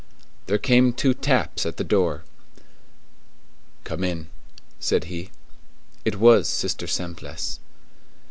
There came two taps at the door. "Come in," said he. It was Sister Simplice.